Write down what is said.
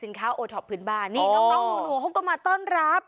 สินค้าโอท็อปพื้นบ้านนี่น้องกองฮงหนูฮงก็มาต้อนรับ